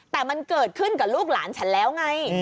แต่มันเกิดขึ้นกับลูกหลานฉันแล้วไง